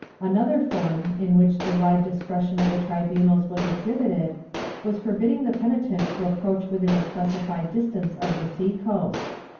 Another form, in which the wide discretion of the tribunals was exhibited, was forbidding the penitent to approach within a specified distance of the sea coast.